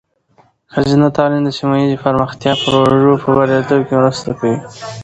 ښځینه تعلیم د سیمه ایزې پرمختیا پروژو په بریالیتوب کې مرسته کوي.